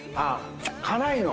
辛いの。